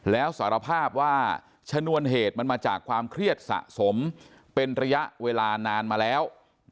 แล้วสารภาพว่าชนวนเหตุมันมาจากความเครียดสะสมเป็นระยะเวลานานมาแล้ว